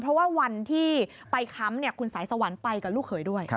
เพราะว่าวันที่ไปค้ำคุณสายสวรรค์ไปกับลูกเขยด้วย